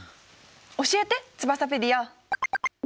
教えてツバサペディア！